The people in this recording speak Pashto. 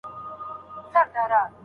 د میلمنو خدمت باید کم ونه ګڼل سي.